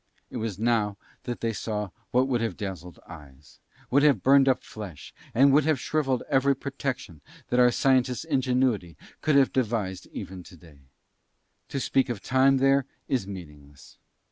It was now that they saw what would have dazzled eyes, would have burned up flesh and would have shrivelled every protection that our scientists' ingenuity could have devised even today. To speak of time there is meaningless.